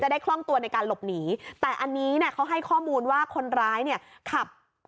ได้คล่องตัวในการหลบหนีแต่อันนี้เนี่ยเขาให้ข้อมูลว่าคนร้ายเนี่ยขับ